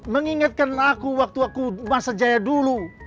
mengingatkan aku waktu aku masa jaya dulu